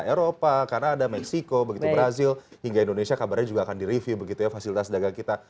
eropa kanada meksiko begitu brazil hingga indonesia kabarnya juga akan di review begitu ya fasilitas dagang kita